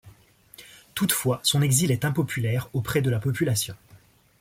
Toutefois, son exil est impopulaire auprès de la population.